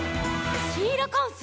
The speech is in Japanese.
「シーラカンス」